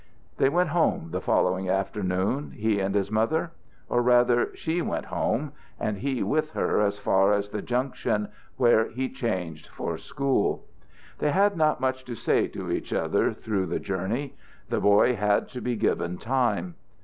They went home the following afternoon, he and his mother. Or rather, she went home, and he with her as far as the Junction, where he changed for school. They had not much to say to each other through the journey. The boy had to be given time.